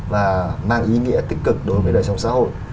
và mang ý nghĩa tích cực đối với đời sống xã hội